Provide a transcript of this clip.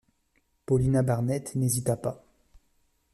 Paulina Barnett n’hésita pas.